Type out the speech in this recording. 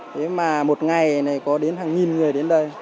thế mà một ngày này có đến hàng nghìn người đến đây